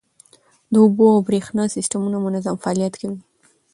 د اوبو او بریښنا سیستمونه منظم فعالیت کوي.